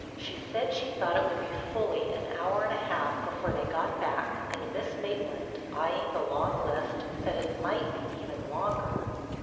She said she thought it would be fully an hour and a half before they got back and Miss Maitland, eyeing the long list, said it might be even longer.